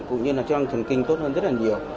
cũng như là chức năng thần kinh tốt hơn rất là nhiều